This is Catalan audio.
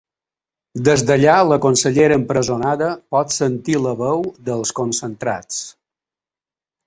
Des d’allà la consellera empresonada pot sentir la veu dels concentrats.